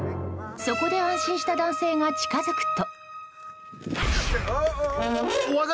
そこで、安心した男性が近づくと。